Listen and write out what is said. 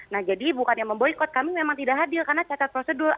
nah jadi bukannya memboykot kami memang tidak hadir karena cacat prosedur